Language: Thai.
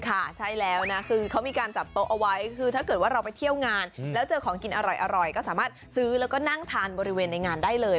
ค่ะใช่แล้วนะคือเขามีการจัดโต๊ะเอาไว้คือถ้าเกิดว่าเราไปเที่ยวงานแล้วเจอของกินอร่อยก็สามารถซื้อแล้วก็นั่งทานบริเวณในงานได้เลย